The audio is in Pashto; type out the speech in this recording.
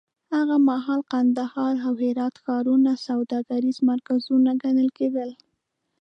هغه مهال کندهار او هرات ښارونه سوداګریز مرکزونه ګڼل کېدل.